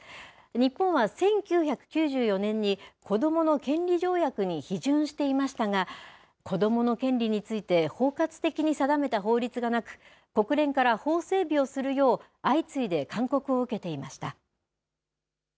日本は１９９４年に子どもの権利条約に批准していましたが、子どもの権利について包括的に定めた法律がなく、国連から法整備をするよう、相次いで勧告を受けていました。